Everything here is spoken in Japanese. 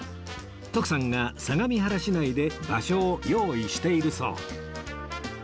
徳さんが相模原市内で場所を用意しているそう